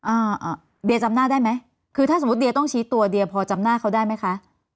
อ่าเดียจำหน้าได้ไหมคือถ้าสมมุติเดียต้องชี้ตัวเดียพอจำหน้าเขาได้ไหมคะ